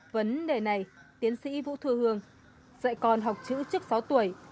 vấn đề này tiến sĩ vũ thư hương dạy con học chữ trước sáu tuổi